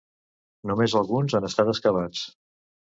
Només alguns han estat excavats.